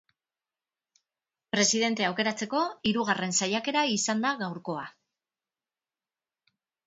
Presidentea aukeratzeko hirugarren saiakera izan da gaurkoa.